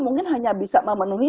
mungkin hanya bisa memenuhi